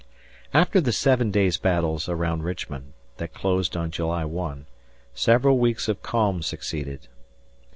After the Seven Days' Battles around Richmond, that closed on July 1, several weeks of calm succeeded.